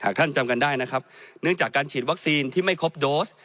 ท่านจำกันได้นะครับเนื่องจากการฉีดวัคซีนที่ไม่ครบโดส